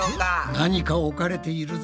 何か置かれているぞ。